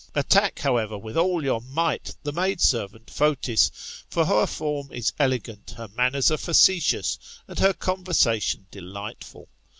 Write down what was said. Attack, however, with all your might the maid servant Fotis ; for her form is elegant, her manners are fiicetious, and her conversation delightful.